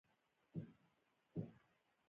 زده کړه د نجونو د سوداګرۍ فکر پیاوړی کوي.